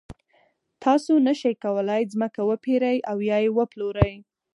تاسو نشئ کولای ځمکه وپېرئ او یا یې وپلورئ.